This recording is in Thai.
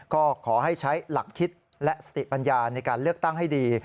ก็ขอให้ใช้หลักคิดและสติปัญญาในการเลือกตั้งให้ดี